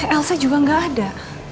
elsa juga nggak ada